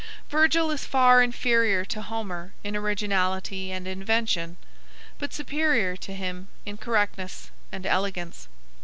Virgil is far inferior to Homer in originality and invention, but superior to him in correctness and elegance.